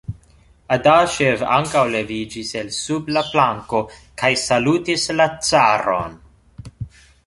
Adaŝev ankaŭ leviĝis el sub la planko, kaj salutis la caron.